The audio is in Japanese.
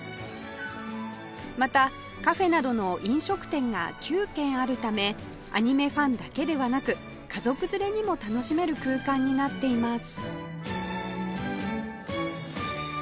またカフェなどの飲食店が９軒あるためアニメファンだけではなく家族連れにも楽しめる空間になっています